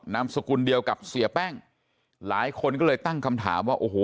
นามสกุลเดียวกับเสียแป้งหลายคนก็เลยตั้งคำถามว่าโอ้โห